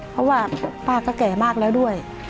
เพราะว่าป้าก็แก่มากแล้วด้วย